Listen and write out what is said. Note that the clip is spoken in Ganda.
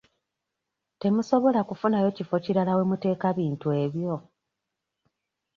Temusobola kufunayo kifo kirala we muteeka bintu ebyo?